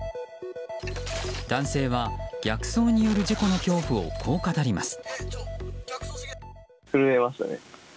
男性は逆走による事故の恐怖をこう語ります。